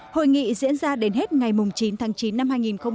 hội nghị diễn ra đến hết ngày chín tháng chín năm hai nghìn một mươi bảy